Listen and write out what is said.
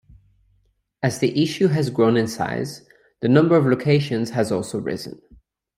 As the issue has grown in size, the number of locations has also risen.